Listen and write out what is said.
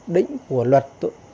định của luật